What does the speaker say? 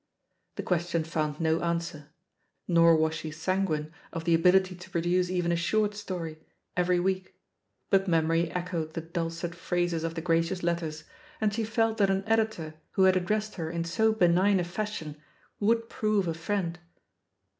The ques tion found no answer, nor was she sanguine of the ability to produce even a short story every week; but memory echoed the dulcet phrases of the gracious letters, and she felt that an editor :who had addressed her in so benign a fashion sirould prove a friend.